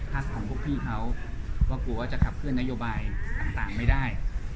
พัทรของพี่เขากลัวว่ากลัวจะขับเคลื่อนนโยบายต่างไม่ได้